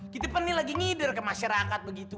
kita pan nih lagi ngider ke masyarakat begitu